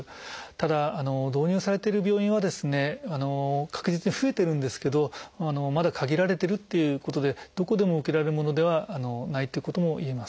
ただ導入されてる病院はですね確実に増えてるんですけどまだ限られてるっていうことでどこでも受けられるものではないっていうこともいえます。